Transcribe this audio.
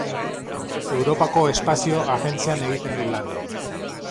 Europako Espazio Agentzian egiten du lan.